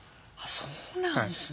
そうなんですね。